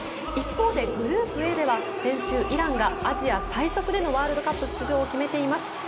一方グループＡでは先週、イランがアジア最速でのワールドカップ出場を決めています。